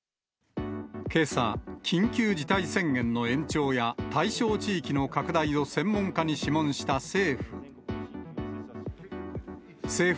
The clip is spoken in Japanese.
けさ、緊急事態宣言の延長や対象地域の拡大を専門家に諮問した政府。